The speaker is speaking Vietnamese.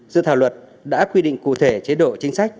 dự thảo luật đã quy định cụ thể chế độ chính sách